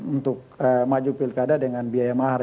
untuk maju pilkada dengan biaya mahar